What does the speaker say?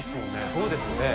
そうですよね。